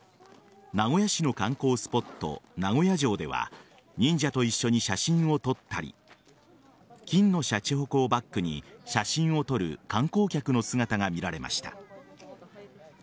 名古屋市の観光スポット名古屋城では忍者と一緒に写真を撮ったり金のしゃちほこをバックに写真を撮る観光客の姿が見られました。